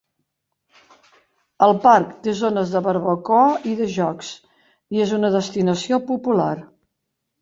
El parc té zones de barbacoa i de jocs, i és una destinació popular.